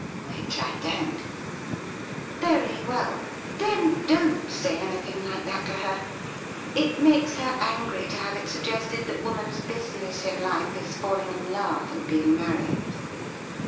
'Which I don't.' ' Very well ; then, don't say anything like that to her. It makes her angry to have it suggested that woman's business in life is falling in love and being married.